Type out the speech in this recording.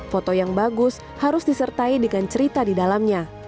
foto yang bagus harus disertai dengan cerita di dalamnya